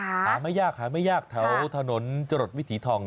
สามารถหาไม่ยากแถวถนนจวิถีทอง